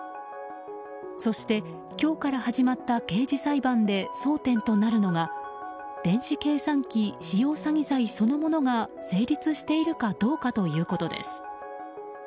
そして、今日から始まった刑事裁判で争点となるのが電子計算機使用詐欺罪そのものが成立しているかどうかということです。